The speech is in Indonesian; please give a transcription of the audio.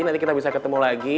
nanti kita bisa ketemu lagi